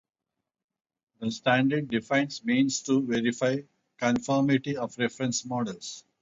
The standard defines means to verify conformity of reference models.